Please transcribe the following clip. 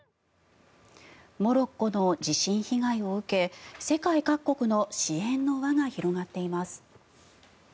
モロッコの地震被害を受け世界各国の支援の輪が広がっています。